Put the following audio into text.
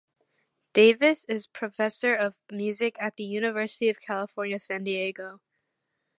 Davis is professor of music at the University of California, San Diego.